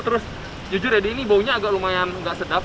terus jujur ya di ini baunya agak lumayan nggak sedap